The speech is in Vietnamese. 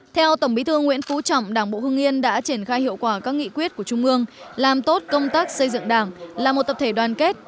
theo tổng bí thư nguyễn phú trọng đảng bộ hương yên đã triển khai hiệu quả các nghị quyết của trung ương làm tốt công tác xây dựng đảng là một tập thể đoàn kết